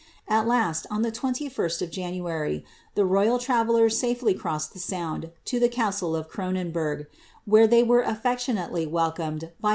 .Ai list on tlie 'Zlsl of January, llie royal Inivellcrs safely crossed the Sound n the castle of Cronenburg, where they were atfi eiionaiclv welcomed b' .